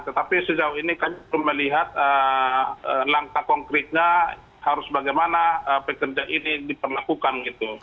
tetapi sejauh ini kami belum melihat langkah konkretnya harus bagaimana pekerja ini diperlakukan gitu